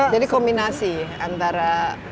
jadi kombinasi antara